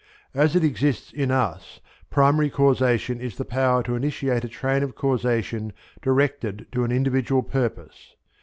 As it exists in us, primary causation is the power to initiate a train of causation directed to an individual purpose.